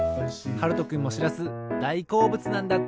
はるとくんもしらすだいこうぶつなんだって。